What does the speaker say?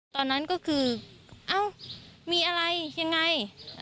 ตอนนั้นก็คือเอ้ามีอะไรยังไง